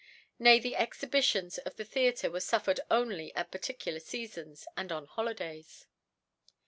Nay the Exhibi ion* of the Theatre were (uflf^red oniy at parti cu!ac Seafons, and on Holydays^.